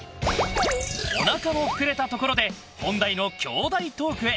おなかも膨れたところで本題の兄弟トークへ。